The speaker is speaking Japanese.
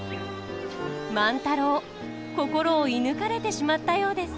万太郎心を射ぬかれてしまったようです。